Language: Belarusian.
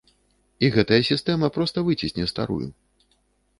І гэтая сістэма проста выцісне старую.